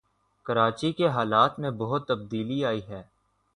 کراچی کے حالات میں بہت تبدیلی آئی ہے